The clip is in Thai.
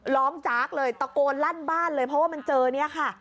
จากเลยตะโกนลั่นบ้านเลยเพราะว่ามันเจอเนี่ยค่ะ